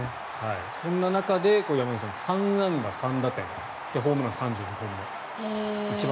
そんな中で山口さん３安打３打点ホームラン３２本目。